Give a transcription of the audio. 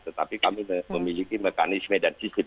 tetapi kami memiliki mekanisme dan sistem